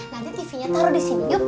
nanti tv nya taruh di sini yuk